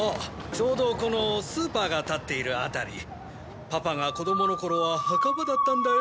ちょうどこのスーパーが立っている辺りパパが子供の頃は墓場だったんだよ。